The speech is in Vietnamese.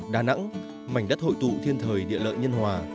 đà nẵng mảnh đất hội tụ thiên thời địa lợi nhân hòa